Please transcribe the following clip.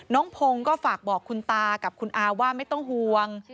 พงศ์ก็ฝากบอกคุณตากับคุณอาว่าไม่ต้องห่วง